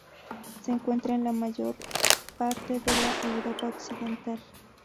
Se encuentra en la mayor parte de la Europa Occidental.